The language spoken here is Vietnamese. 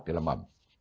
thì là mầm